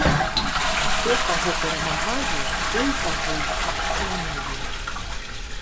Хто каго перамагае, той таго і акцыянуе.